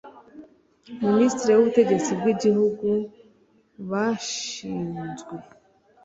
minisitiri w ubutegetsi bw igihugu bashinzwe